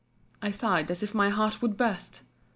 I sighed as if my heart would burst.